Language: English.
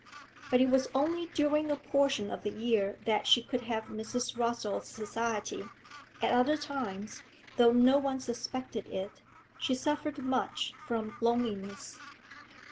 But it was only during a portion of the year that she could have Mrs. Rossall's society at other times, though no one suspected it, she suffered much from loneliness.